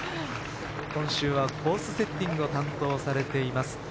今週はコースセッティングを担当されています